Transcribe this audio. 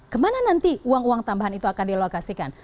kemana nanti uang uang tambahan itu akan dilokasikan